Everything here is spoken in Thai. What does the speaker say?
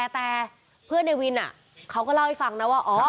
แต่เพื่อนในวินเขาก็เล่าให้ฟังนะว่า